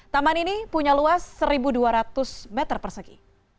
taman ini punya luas satu dua ratus meter persegi